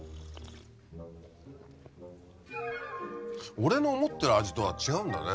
俺の思ってる味とは違うんだね。